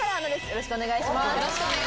よろしくお願いします。